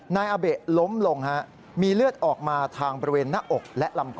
นายอาเบะล้มลงมีเลือดออกมาทางบริเวณหน้าอกและลำคอ